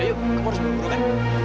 udah yuk kamu harus berhubungan